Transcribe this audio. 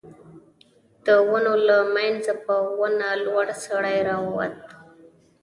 د ونو له مينځه په ونه لوړ سړی را ووت.